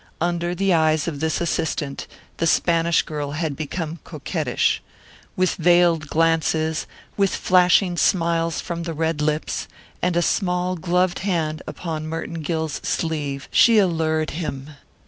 Under the eyes of this assistant the Spanish girl had become coquettish. With veiled glances, with flashing smiles from the red lips, with a small gloved hand upon Merton Gill's sleeve, she allured him.